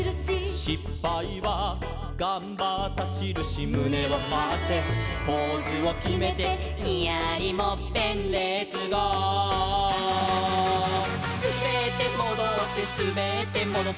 「しっぱいはがんばったしるし」「むねをはってポーズをきめて」「ニヤリもっぺんレッツゴー！」「すべってもどってすべってもどって」